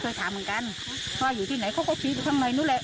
เคยถามเหมือนกันว่าอยู่ที่ไหนเขาก็ชี้อยู่ข้างในนู้นแหละ